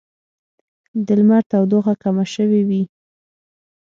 د لمر تودوخه کمه شوې وي